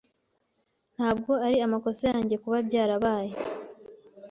Ntabwo ari amakosa yanjye kuba byarabaye.